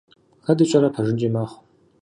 Хэт ищӀэрэ, пэжынкӀи мэхъу…